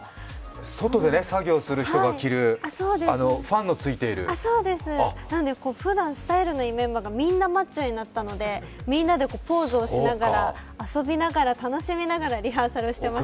外で作業する人が着るあのファンのついているふだんスタイルのいいメンバーがみんなマッチョになったのでみんなでポーズをしながら、遊びながら、楽しみながらリハーサルをしていました。